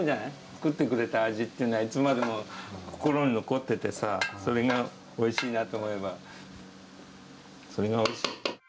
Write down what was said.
作ってくれた味っていうのは、いつまでも心に残っててさ、それがおいしいなと思えば、それがおいしい。